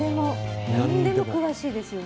なんでも詳しいですよね。